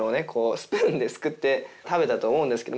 スプーンですくって食べたと思うんですけど。